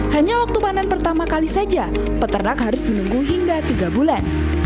hanya waktu panen pertama kali saja peternak harus menunggu hingga tiga bulan